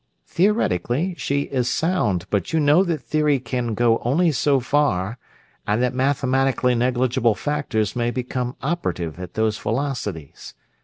Theoretically, she is sound, but you know that theory can go only so far, and that mathematically negligible factors may become operative at those velocities.